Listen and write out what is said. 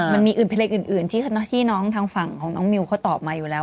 มันมีอื่นเพลงอื่นที่น้องทางฝั่งของน้องมิวเขาตอบมาอยู่แล้ว